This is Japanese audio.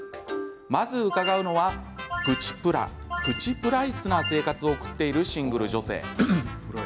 まず伺うのは、プチプラプチプライスな生活を送っているシングル女性。